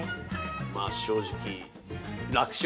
まあ正直楽勝？